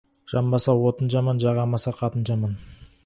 Жанбаса, отын жаман, жаға алмаса, қатын жаман.